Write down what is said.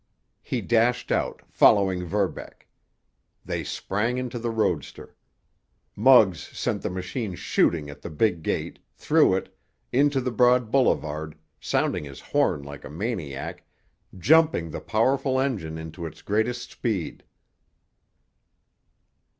He dashed out, following Verbeck. They sprang into the roadster. Muggs sent the machine shooting at the big gate, through it, into the broad boulevard, sounding his horn like a maniac, jumping the powerful engine into its greatest speed.